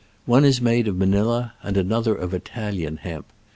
One is made of Manila and another of Italian hemp.